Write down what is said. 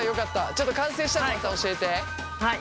ちょっと完成したらまた教えて。